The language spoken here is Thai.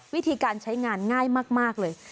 วิธีการใช้งานง่ายมากเลย